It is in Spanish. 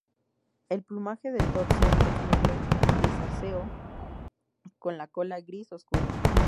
El plumaje del dorso es negro grisáceo, con la cola gris oscura.